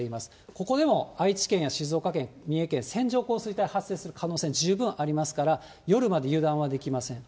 ここでも愛知県や静岡県、三重県、線状降水帯発生する可能性、十分ありますから、夜まで油断はできません。